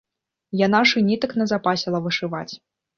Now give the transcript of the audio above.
Яна ж і нітак назапасіла вышываць.